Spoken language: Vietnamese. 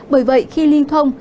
bởi vậy khi ly thông